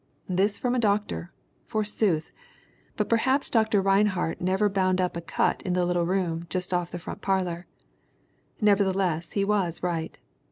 This from a doctor, forsooth! But perhaps Dr. Rinehart never bound up a cut in the little room just off the front parlor. Nevertheless he was right.